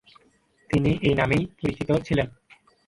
তিনি এই নামেই পরিচিত ছিলেন।